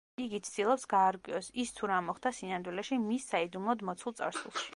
იგი ცდილობს გაარკვიოს, ის თუ რა მოხდა სინამდვილეში მის საიდუმლოდ მოცულ წარსულში.